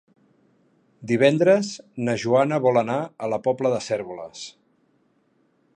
Divendres na Joana vol anar a la Pobla de Cérvoles.